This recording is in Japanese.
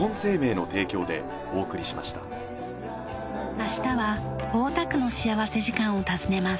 明日は大田区の幸福時間を訪ねます。